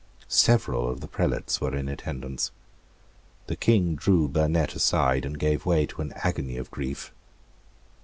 Several of the prelates were in attendance. The King drew Burnet aside, and gave way to an agony of grief.